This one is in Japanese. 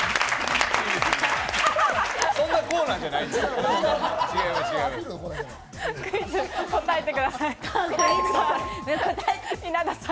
そんなコーナーじゃないねん！